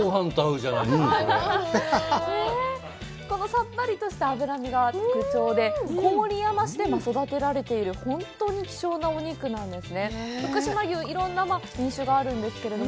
このさっぱりとした脂身が特徴で郡山市で育てられている本当に希少なお肉なんですね。